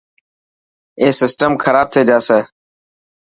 اي سسٽم خراب ٿي جاسي.